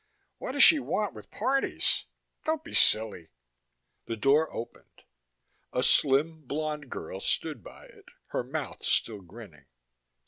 What does she want with parties? Don't be silly." The door opened. A slim, blonde girl stood by it, her mouth still grinning.